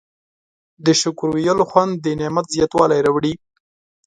د شکر ویلو خوند د نعمت زیاتوالی راوړي.